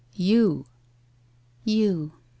c You.' You. .